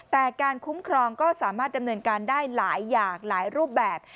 แต่การคุ้มครองก็สามารถดำเนินการได้หลายอย่างหลายรูปแบบ